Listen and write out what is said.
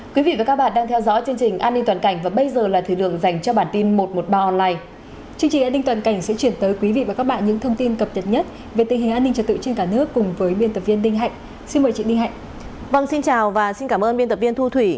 các bạn hãy đăng ký kênh để ủng hộ kênh của chúng mình nhé